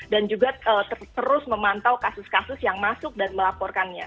dan juga terus memantau kasus kasus yang masuk dan melaporkannya